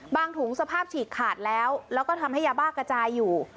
ถุงสภาพฉีกขาดแล้วแล้วก็ทำให้ยาบ้ากระจายอยู่